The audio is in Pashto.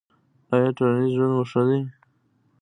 ایا ټولنیز ژوند مو ښه دی؟